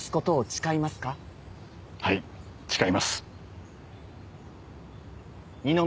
はい誓います。